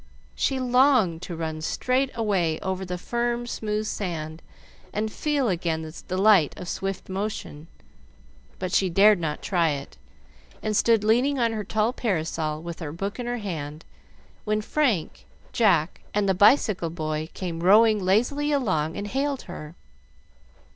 She longed to run straight away over the firm, smooth sand, and feel again the delight of swift motion; but she dared not try it, and stood leaning on her tall parasol with her book in her hand, when Frank, Jack, and the bicycle boy came rowing lazily along and hailed her.